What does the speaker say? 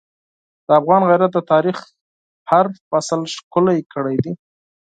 د افغان غیرت د تاریخ هر فصل ښکلی کړی دی.